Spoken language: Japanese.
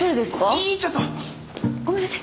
ごめんなさい。